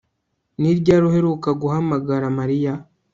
Ni ryari uheruka guhamagara Mariya